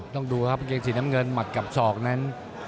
ต้องดูครับกางเกงสีน้ำเงินหมัดกับศอกนั้น